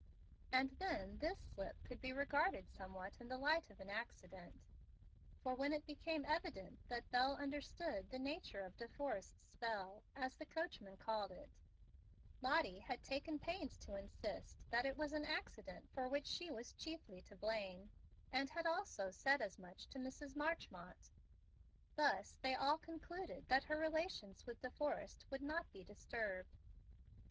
And then this slip could be regarded somewhat in the light of an accident; for when it became evident that Bel understood the nature of De Forrest's "spell," as the coachman called it, Lottie had taken pains to insist that it was an accident for which she was chiefly to blame; and had also said as much to Mrs. Marchmont. Thus they all concluded that her relations with De Forrest would not be disturbed.